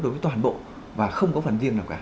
đối với toàn bộ và không có phần riêng nào cả